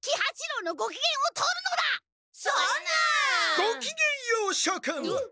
・ごきげんようしょくん！